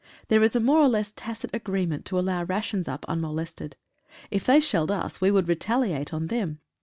There is a more or less tacit agreement to allow rations up unmolested. If they shelled us we would retaliate on them.